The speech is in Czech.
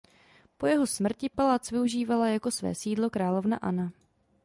Po jeho smrti palác využívala jako své sídlo královna Anna.